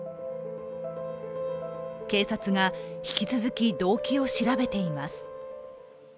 警察が引き続き動機を調べています。